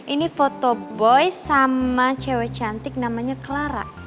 ini foto boy sama cewek cantik namanya clara